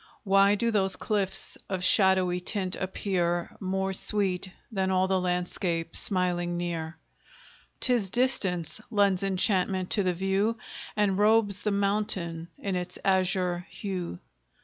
Why do those cliffs of shadowy tint appear More sweet than all the landscape smiling near? 'Tis distance lends enchantment to the view, And robes the mountain in its azure hue.